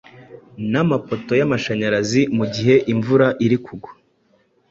namapoto y’amashanyarazi mu gihe imvura iri kugwa.